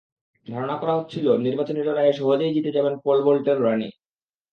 ধারণা করা হচ্ছিল, নির্বাচনী লড়াইয়ে সহজেই জিতে যাবেন পোল ভল্টের রানি।